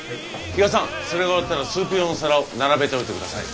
比嘉さんそれが終わったらスープ用の皿を並べておいてください。